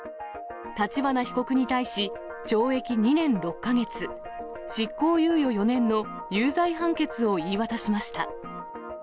立花被告に対し、懲役２年６か月、執行猶予４年の有罪判決を言い渡しました。